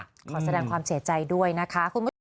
ขอแสดงความเสียใจด้วยนะคะ